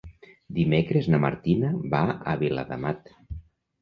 Dimecres na Martina va a Viladamat.